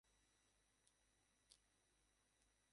বিশেষভাবে তিনি পরিচিত হন ম্যানচেস্টারের শ্রমিকদের সংগে।